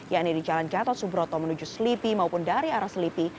yakni di jalan gatot subroto menuju selipi maupun dari arah selipi